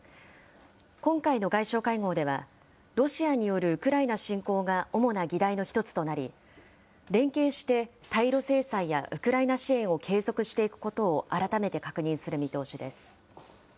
今回の外相会合では、ロシアによるウクライナ侵攻が主な議題の一つとなり、連携して対ロ制裁や、ウクライナ支援を継続していくことを改めて確認する見通しです。